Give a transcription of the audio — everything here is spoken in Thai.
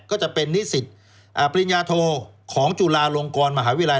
ก็จะเป็นนิสิตปริญญาโทของจุฬาลงกรมหาวิทยาลัย